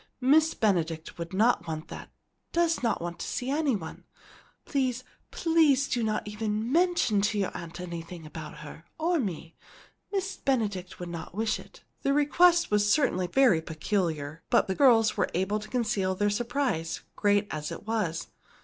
"Miss Benedict would not want that does not want to see any one. Please please do not even mention to your aunt anything about her or me! Miss Benedict would not wish it." The request was certainly very peculiar, but the girls were able to conceal their surprise, great as it was.